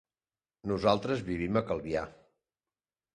Nosaltres vivim a Calvià.